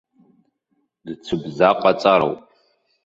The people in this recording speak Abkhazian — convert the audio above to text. Дцәыбзаҟаҵароуп.